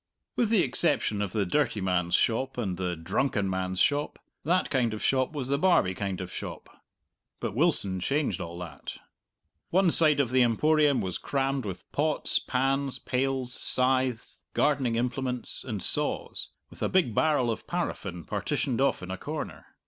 With the exception of the dirty man's shop and the drunken man's shop, that kind of shop was the Barbie kind of shop. But Wilson changed all that. One side of the Emporium was crammed with pots, pans, pails, scythes, gardening implements, and saws, with a big barrel of paraffin partitioned off in a corner.